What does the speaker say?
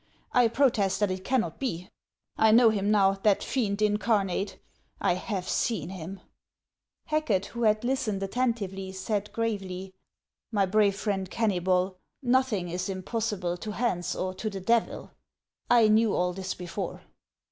I protest that it cannot be. 1 know him now, that fiend incarnate ; I have seen him !" Hacket, who had listened attentively, said gravely :" My brave friend Kennybol, nothing is impossible to Hans or to the Devil ; I knew all this before."